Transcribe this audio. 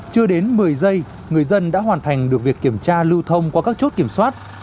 chưa đến một mươi giây người dân đã hoàn thành được việc kiểm tra lưu thông qua các chốt kiểm soát